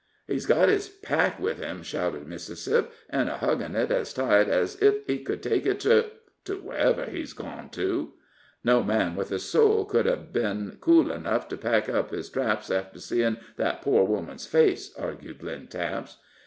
"He's got his pack with him," shouted Mississip, "and a huggin' it ez tight ez ef he could take it to to wherever he's gone to.". "No man with a soul could hev ben cool enough to pack up his traps after seein' that poor woman's face," argued Lynn Taps.